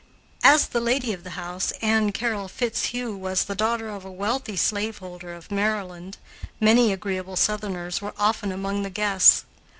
As the lady of the house, Ann Carroll Fitzhugh, was the daughter of a wealthy slaveholder of Maryland, many agreeable Southerners were often among the guests.